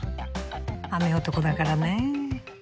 雨男だからね。